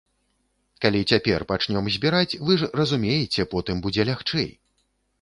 Калі цяпер пачнём збіраць, вы ж разумееце, потым будзе лягчэй.